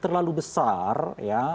terlalu besar ya